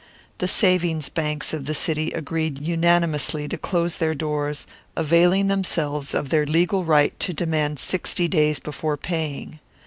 The savings banks of the city agreed unanimously to close their doors, availing themselves of their legal right to demand sixty days before paying.